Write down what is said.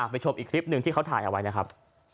ชมอีกคลิปหนึ่งที่เขาถ่ายเอาไว้นะครับ